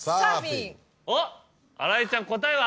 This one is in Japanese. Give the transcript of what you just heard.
おっ新井ちゃん答えは？